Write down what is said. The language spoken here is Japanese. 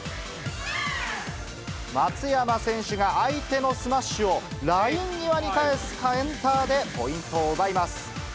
松山選手が相手のスマッシュをライン際に返すカウンターでポイントを奪います。